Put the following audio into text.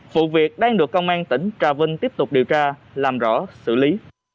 vụ việc đang được công an tỉnh trà vinh tiếp tục điều tra làm rõ xử lý